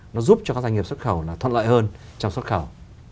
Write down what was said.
nó giúp cho doanh nghiệp xuất khẩu thuận lợi hơn trong xuất khẩu